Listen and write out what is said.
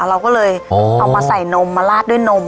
เราก็เลยเอามาใส่นมมาลาดด้วยนม